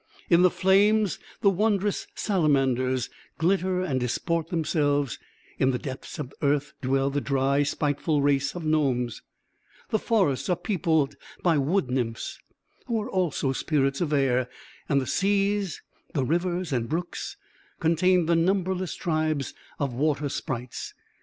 In the flames, the wondrous Salamanders glitter and disport themselves; in the depths of earth dwell the dry, spiteful race of Gnomes; the forests are peopled by Wood nymphs, who are also spirits of air; and the seas, the rivers and brooks contain the numberless tribes of Water sprites.